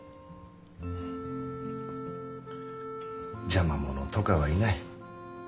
邪魔者とかはいない。